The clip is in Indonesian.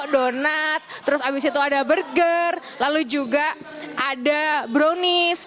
donat terus abis itu ada burger lalu juga ada brownies